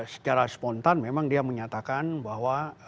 secara spontan memang dia menyatakan bahwa